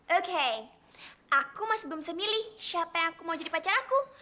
oke aku masih belum bisa milih siapa yang mau jadi pacar aku